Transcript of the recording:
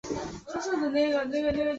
第十一回出现八健将的说法。